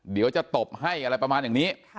เดี๋ยวจะตบให้อะไรประมาณอย่างนี้